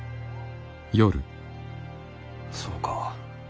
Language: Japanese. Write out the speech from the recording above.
そうか。